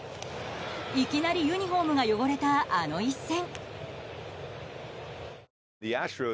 いきなりユニホームが汚れたあの一戦。